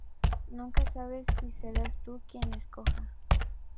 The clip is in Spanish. Nunca sabes si serás tú quien la escoja.